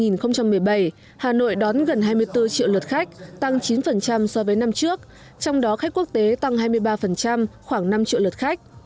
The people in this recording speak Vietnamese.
năm hai nghìn một mươi bảy hà nội đón gần hai mươi bốn triệu lượt khách tăng chín so với năm trước trong đó khách quốc tế tăng hai mươi ba khoảng năm triệu lượt khách